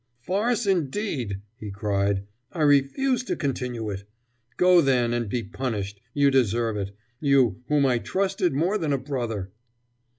"Farce, indeed!" he cried. "I refuse to continue it. Go, then, and be punished you deserve it you, whom I trusted more than a brother."